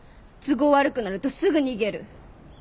都合悪くなるとすぐ逃げる。